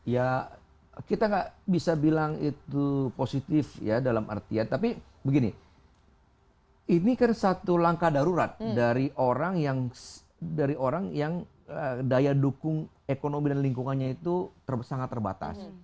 ya kita nggak bisa bilang itu positif ya dalam artian tapi begini ini kan satu langkah darurat dari orang yang dari orang yang daya dukung ekonomi dan lingkungannya itu sangat terbatas